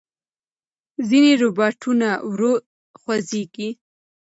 ځینې روباټونه ورو خوځېږي.